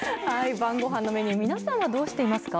晩ごはんのメニュー、皆さんはどうしていますか？